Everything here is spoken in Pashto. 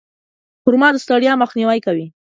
خرما د ستړیا مخنیوی کوي.